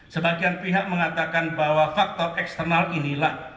sebagian pihak mengatakan bahwa faktor eksternal inilah